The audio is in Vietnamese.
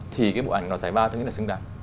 thì cái bộ ảnh nó giải ba tôi nghĩ là xứng đáng